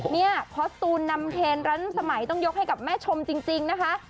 นี่ภอร์ตูลนำเทนแล้วสมัยต้องยกให้แม่ชมจริงนะคะ